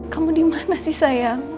kamu dimana sih sayang